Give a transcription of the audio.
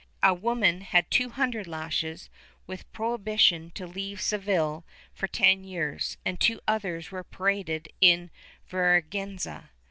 A woman had two hundred lashes, with prohibition to leave Seville for ten years, and two others were paraded in vergiienza.